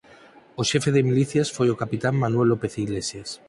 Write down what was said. O xefe de milicias foi o capitán Manuel López Iglesias.